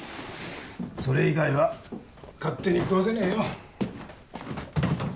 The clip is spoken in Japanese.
それ以外は勝手に喰わせねえよ